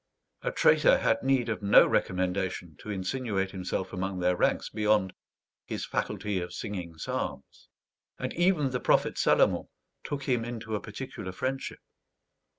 A traitor had need of no recommendation to insinuate himself among their ranks, beyond "his faculty of singing psalms"; and even the prophet Salomon "took him into a particular friendship."